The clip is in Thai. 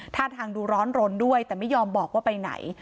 ท่าทางดูร้อนรนด้วยแต่ไม่ยอมบอกว่าไปไหน